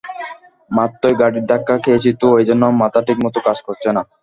মাত্রই গাড়ির ধাক্কা খেয়েছি তো, এজন্য মাথা ঠিকমতো কাজ করছে না।